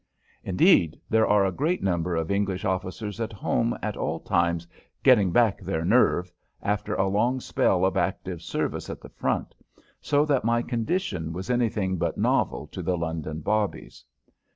Indeed, there are a great number of English officers at home at all times "getting back their nerve" after a long spell of active service at the front, so that my condition was anything but novel to the London bobbies.